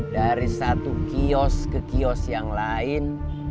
dari satu kios ke kios yang lain